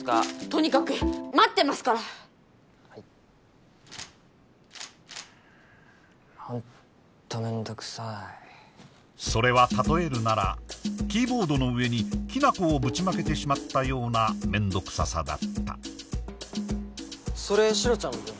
とにかく待ってますからはい本当めんどくさいそれは例えるならキーボードの上にきな粉をぶちまけてしまったようなめんどくささだったそれシロちゃんの分？